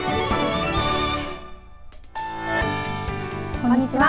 こんにちは。